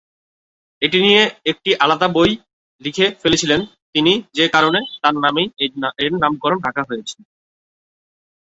এটি নিয়ে একটি আলাদা বই-ই লিখে ফেলেছিলেন তিনি যে কারণে তার নামেই এর নাম রাখা হয়েছে।